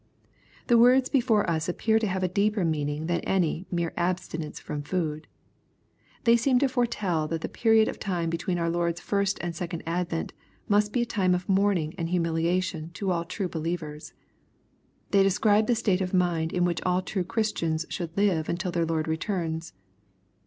The words before us appear to have a deeper meaning than any mere abstinence from food. They seem to foretell that the period of time between our Lord's first and second advent must be a time of mourning and humiliation to all true believers. They describe the state of mind in which all true Christians should live until their Lord returns.